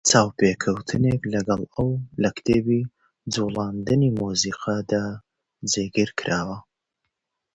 An interview with him has been included in the book "Moving Music".